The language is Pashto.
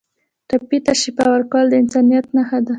ټپي ته شفا ورکول د انسانیت نښه ده.